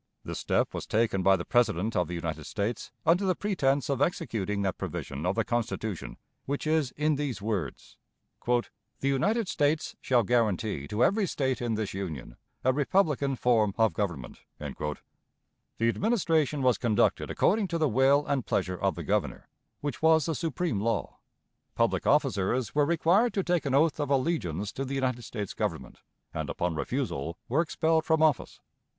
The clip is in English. This step was taken by the President of the United States under the pretense of executing that provision of the Constitution which is in these words: "The United States shall guarantee to every State in this Union a republican form of government." The administration was conducted according to the will and pleasure of the Governor, which was the supreme law. Public officers were required to take an oath of allegiance to the United States Government, and upon refusal were expelled from office.